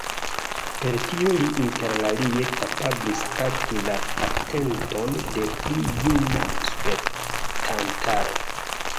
Per tio li interalie kapablis kapti la atenton de pli juna spektantaro.